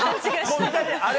あれ？